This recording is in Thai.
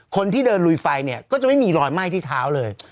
คนที่เดินลุยไฟเนี่ยก็จะไม่มีรอยไหม้ที่เท้าเลย